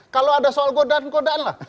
kalau ada soal godan godan lah